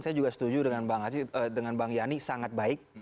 saya juga setuju dengan bang yani sangat baik